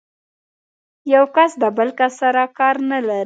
يو کس د بل کس سره کار نه لري.